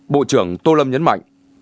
bộ trưởng tô lâm nhấn mạnh